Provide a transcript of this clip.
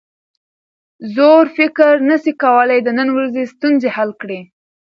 زوړ فکر نسي کولای د نن ورځې ستونزې حل کړي.